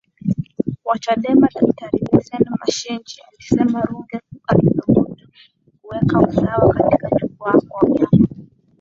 wa Chadema Daktari Vicent Mashinji alisema Ruge alithubutu kuweka usawa katika jukwaa kwa vyama